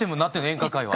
演歌界は。